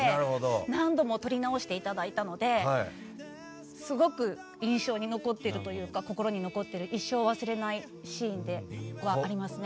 何度も録り直していただいたのですごく印象に残っているというか心に残っている一生忘れないシーンではありますね。